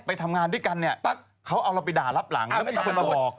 ไปทำงานด้วยกันเนี่ยปั๊บเขาเอาเราไปด่ารับหลังแล้วมีคนมาบอก